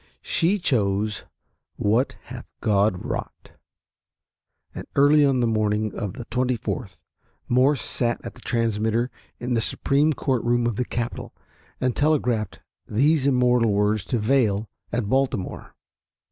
She chose, "What hath God wrought?" and early on the morning of the 24th Morse sat at the transmitter in the Supreme Court room in the Capitol and telegraphed these immortal words to Vail at Baltimore.